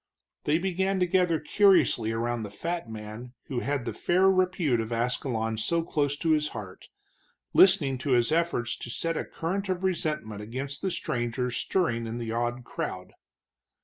They began to gather curiously around the fat man who had the fair repute of Ascalon so close to his heart, listening to his efforts to set a current of resentment against the stranger stirring in the awed crowd.